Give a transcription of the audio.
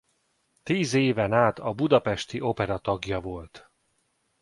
Tíz éven át a budapesti Opera tagja volt.